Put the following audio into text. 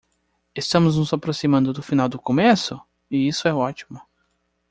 Estamos nos aproximando do final do começo? e isso é ótimo!